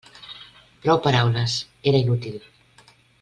Prou paraules: era inútil.